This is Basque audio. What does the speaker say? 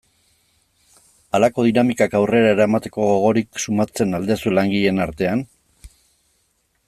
Halako dinamikak aurrera eramateko gogorik sumatzen al duzue langileen artean?